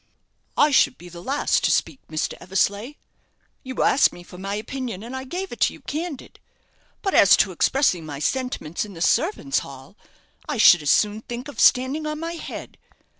"I should be the last to speak, Mr. Eversleigh. You asked me for my opinion, and I gave it you, candid. But as to expressing my sentiments in the servants' hall, I should as soon think of standing on my head.